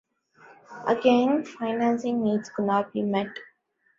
Again, financing needs could not be met.